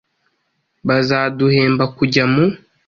bazaduhemba kujya mu